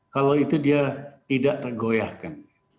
kalau itu dia tidak tergoyahkan